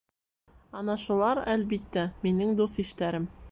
Ана шулар, әлбиттә, минең дуҫ-иштәрем.